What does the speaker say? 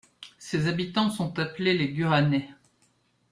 Ses habitants sont appelés les Guranais.